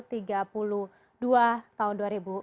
tiga puluh dua tahun dua ribu enam belas